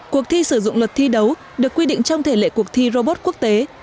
cuộc thi sử dụng luật thi đấu được quy định trong thể lệ cuộc thi robot quốc tế